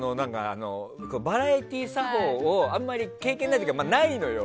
バラエティー作法あんまり経験ない時は、ないのよ。